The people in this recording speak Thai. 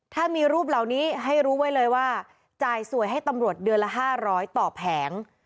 ถ้ามีรูปเหล่านี้ให้รู้ไว้เลยว่าจ่ายสวยให้ตำรวจเดือนละ๕๐๐ต่อแผง